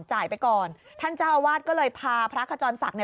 จ่ายไปก่อนท่านเจ้าอาวาสก็เลยพาพระขจรศักดิ์